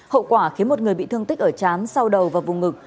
hậu quả khiến một người bị thương tích ở chán sau đầu và vùng ngực